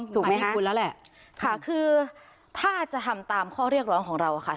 ถูกไหมคุณแล้วแหละค่ะคือถ้าจะทำตามข้อเรียกร้องของเราค่ะ